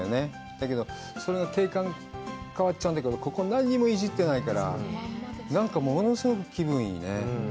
だけど、それが景観変わってしまうんだけど、ここ、何もいじってないから、なんか物すごく気分いいね。